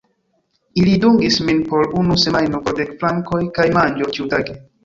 Ili dungis min por unu semajno, po dek frankoj kaj manĝo ĉiutage.